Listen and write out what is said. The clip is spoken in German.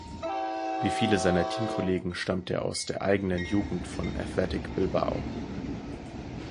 Wie viele seiner Teamkollegen stammt er aus der eigenen Jugend von Athletic Bilbao.